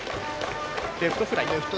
レフトフライ。